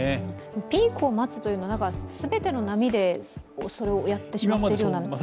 ピークを待つというのは全ての波でそれをやってしまっているような気がしますよね。